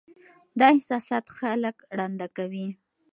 دا احساسات خلک ړانده کوي.